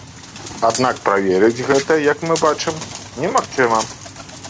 Аднак праверыць гэта, як мы бачым, немагчыма.